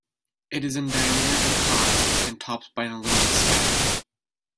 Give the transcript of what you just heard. It is in diameter and high, and topped by an aluminum spire.